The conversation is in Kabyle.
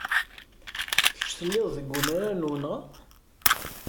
Kecc tellid deg wenrar n wenɣa?